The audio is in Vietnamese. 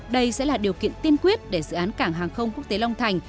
đây sẽ là điều kiện tiên quyết để dự án cảng hàng không quốc tế long thành